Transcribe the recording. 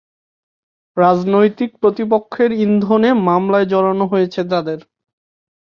রাজনৈতিক প্রতিপক্ষের ইন্ধনে মামলায় জড়ানো হয়েছে তাঁদের।